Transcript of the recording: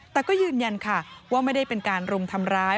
แต่ก็ยืนยันค่ะว่าไม่ได้เป็นการรุมทำร้าย